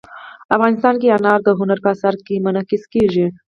افغانستان کې انار د هنر په اثار کې منعکس کېږي.